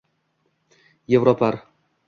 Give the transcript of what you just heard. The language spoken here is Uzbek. europarl